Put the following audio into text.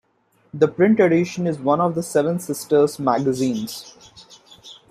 The print edition is one of the Seven Sisters magazines.